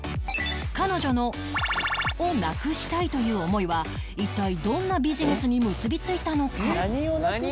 彼女のをなくしたいという思いは一体どんなビジネスに結びついたのか？